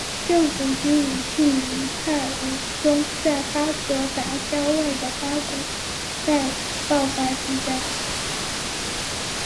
政府军与逊尼派武装在巴格达郊外的巴古拜爆发激战。